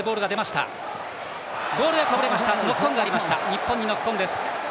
日本にノックオンです。